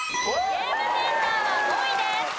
ゲームセンターは５位です。